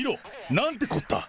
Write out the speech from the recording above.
なんてこった。